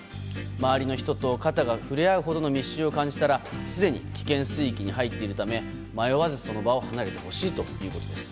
周りの人と肩が触れ合うほどの密集を感じたらすでに危険水域に入っているため迷わずその場を離れてほしいということです。